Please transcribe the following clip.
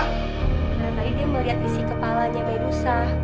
karena dia melihat isi kepalanya medusa